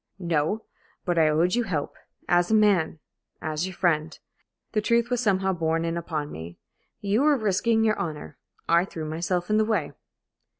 "No. But I owed you help as a man as your friend. The truth was somehow borne in upon me. You were risking your honor I threw myself in the way."